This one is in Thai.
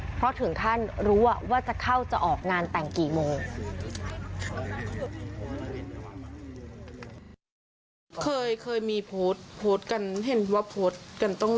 เพราะถึงขั้นรู้ว่าจะเข้าจะออกงานแต่งกี่โมง